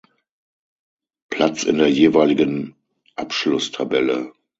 Platz in der jeweiligen Abschlusstabelle.